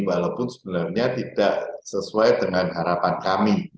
walaupun sebenarnya tidak sesuai dengan harapan kami